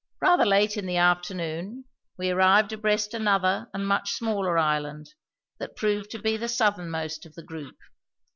Rather late in the afternoon we arrived abreast another and much smaller island that proved to be the southernmost of the group.